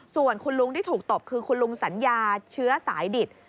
ส่วนคุณลุงที่ถูกตบคือคุณลุงสัญญาเชื้อสายดิต